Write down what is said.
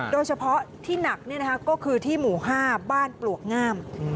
โดยเฉพาะที่หนักก็คือที่หมู่๕บ้านปลวกงาม